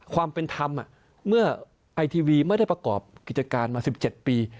ความเป็นธรรมเมื่อไอทีวีไม่ได้ประกอบกิจการมา๑๗ปี